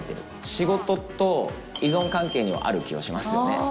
仕事と依存関係にはある気がしますよね。